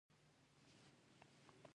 نو مازغۀ هغه خيال بې اهميته کړي او ختم شي